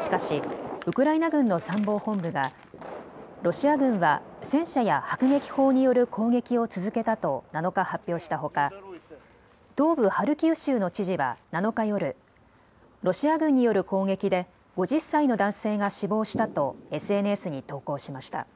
しかしウクライナ軍の参謀本部がロシア軍は戦車や迫撃砲による攻撃を続けたと７日、発表したほか、東部ハルキウ州の知事は７日夜、ロシア軍による攻撃で５０歳の男性が死亡したとＳＮＳに投稿しました。